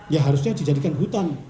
ya harusnya dijadikan hutan